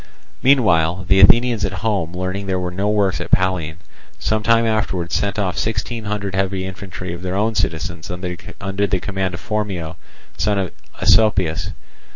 Meanwhile the Athenians at home learning that there were no works at Pallene, some time afterwards sent off sixteen hundred heavy infantry of their own citizens under the command of Phormio, son of Asopius.